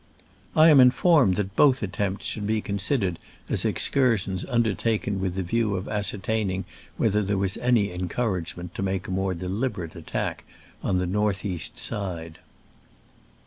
I am informed that both attempts should be considered as excursions undertaken with the view of ascertaining whether there was any encouragement to make a more delib erate attack on the north east side.